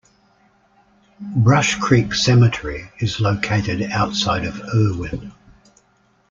Brush Creek Cemetery is located outside of Irwin.